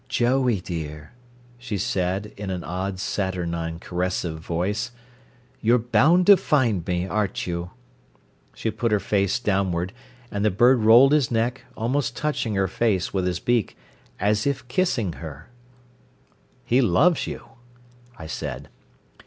"Joey dear," she said, in an odd, saturnine caressive voice: "you're bound to find me, aren't you?" She put her face downward, and the bird rolled his neck, almost touching her face with his beak, as if kissing her. "He loves you," I said.